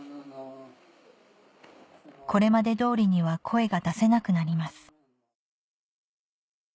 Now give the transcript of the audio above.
これまで通りには声が出せなくなります